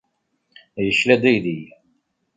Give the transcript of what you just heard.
Yekla-d aydi.